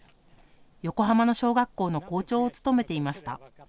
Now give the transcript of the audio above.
横浜の小学校の校長を務めていました。